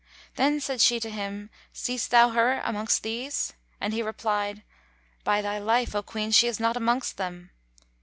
Then said she to him, "Seest thou her amongst these?"; and he replied, "By thy life, O Queen, she is not amongst them."